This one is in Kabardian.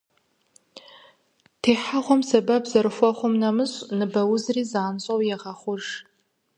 Техьэгъуэм сэбэп зэрыхуэхъум нэмыщӏ, ныбэ узри занщӏэу егъэхъуж.